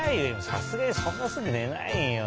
さすがにそんなすぐねないよ。